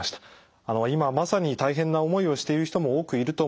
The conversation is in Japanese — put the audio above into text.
今まさに大変な思いをしている人も多くいると思います。